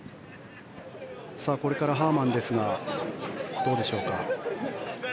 これからハーマンですがどうでしょうか。